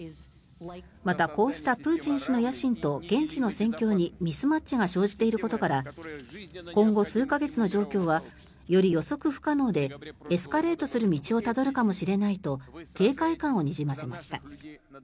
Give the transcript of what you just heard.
また、こうしたプーチン氏の野心と現地の戦況にミスマッチが生じていることから今後数か月の状況はより予測不可能でエスカレートする道をたどるかもしれないと警戒感をにじませました。